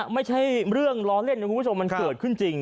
ไม่ใช่เรื่องร้อนเล่นมันเกิดขึ้นจริง